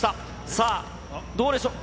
さあ、どうでしょう。